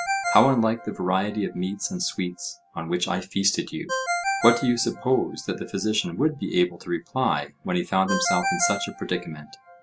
How unlike the variety of meats and sweets on which I feasted you!" What do you suppose that the physician would be able to reply when he found himself in such a predicament?